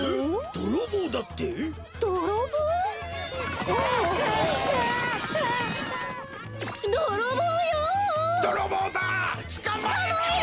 どろぼうよ！